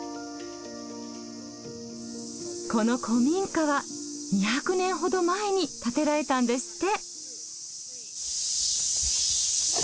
この古民家は２００年ほど前に建てられたんですって！